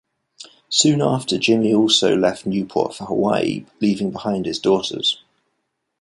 Soon after, Jimmy also left Newport for Hawaii, leaving behind his daughters.